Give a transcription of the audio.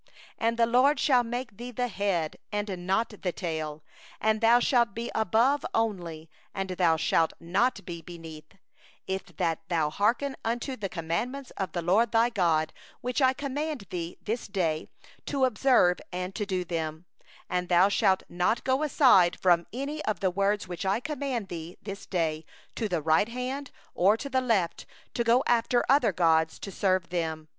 13And the LORD will make thee the head, and not the tail; and thou shalt be above only, and thou shalt not be beneath; if thou shalt hearken unto the commandments of the LORD thy God, which I command thee this day, to observe and to do them; 14and shalt not turn aside from any of the words which I command you this day, to the right hand, or to the left, to go after other gods to serve them.